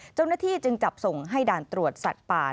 เจ้าหน้าที่จึงจับส่งให้ด่านตรวจสัตว์ป่า